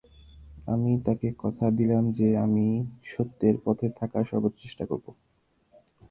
আমি তাকে কথা দিলাম যে আমি সত্যের পথে থাকার সর্বোচ্চ চেষ্টা করব।